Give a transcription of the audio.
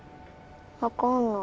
わかんない。